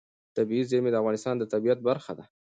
طبیعي زیرمې د افغانستان د طبیعت برخه ده.